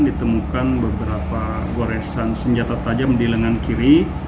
ditemukan beberapa goresan senjata tajam di lengan kiri